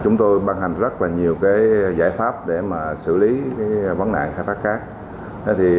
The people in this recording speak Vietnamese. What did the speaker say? chúng tôi ban hành rất là nhiều giải pháp để xử lý vấn nạn khai thác cát